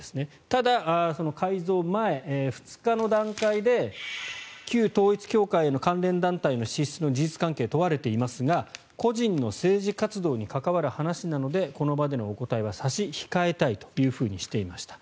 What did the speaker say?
ただ、その改造前２日の段階で旧統一教会の関連団体への支出の事実関係を問われていますが個人の政治活動に関わる話なのでこの場でのお答えは差し控えたいとしていました。